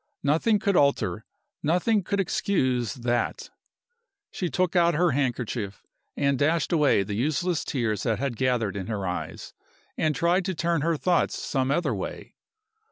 Nothing could alter, nothing could excuse, that. She took out her handkerchief and dashed away the useless tears that had gathered in her eyes, and tried to turn her thoughts some other way.